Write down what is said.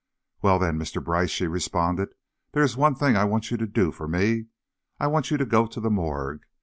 "Well, then, Mr. Brice," she responded, "there is one thing I want you to do for me. I want you to go to the morgue.